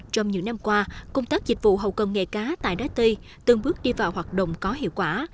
trong những năm qua công tác dịch vụ hậu công nghệ cá tại đá tây từng bước đi vào hoạt động có hiệu quả